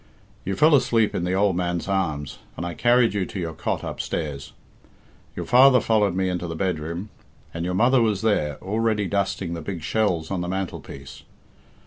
You fell asleep in the old man's arms, and I carried you to your cot upstairs. Your father followed me into the bedroom, and your mother was there already dusting the big shells on the mantelpiece.